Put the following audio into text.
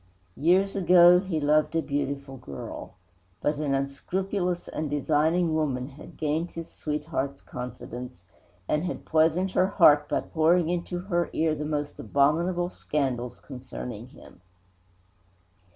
Years ago he loved a beautiful girl. But an unscrupulous and designing woman had gained his sweetheart's confidence and had poisoned her heart by pouring into her ear the most abominable scandals concerning him.